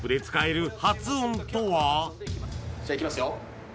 じゃあいきますよ